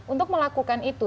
untuk melakukan itu